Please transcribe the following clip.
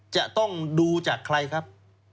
จะต้องดูจากใครครับ